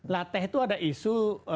lah teh itu ada isu